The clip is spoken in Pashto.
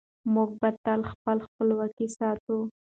موږ به تل خپله خپلواکي ساتو.